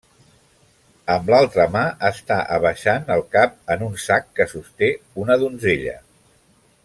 Amb l'altra mà està abaixant el cap en un sac que sosté una donzella.